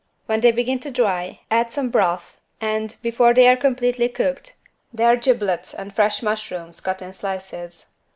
When they begin to dry, add some broth and before they are completely cooked their giblets and fresh mushrooms cut in slices.